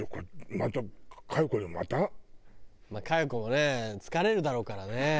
まあ佳代子もね疲れるだろうからね。